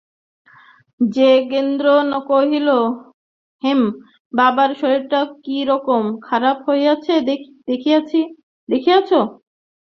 যোগেন্দ্র কহিল, হেম, বাবার শরীরটা কিরকম খারাপ হইয়াছে দেখিয়াছ?